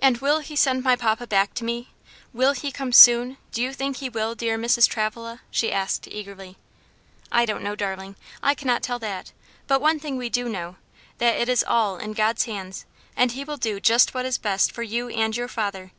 "And will he send my papa hack to me I oh, will he come soon? do you think he will, dear Mrs. Travilla?" she asked eagerly. "I don't know, darling; I cannot tell that; but one thing we do know, that it is all in God's hands, and he will do just what is best both for you and your father.